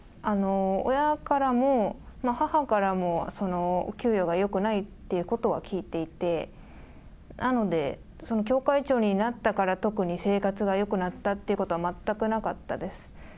親からも、母からもお給料がよくないということは聞いていて、なので、その教会長になったから特に生活がよくなったっていうことは全くなかったです。